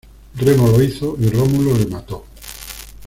Remo lo hizo, y Rómulo le mató.